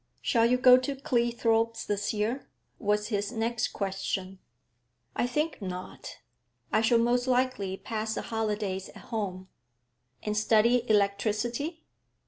'Shall you go to Cleethorpes this year?' was his next question. 'I think not. I shall most likely pass the holidays at home.' 'And study electricity?'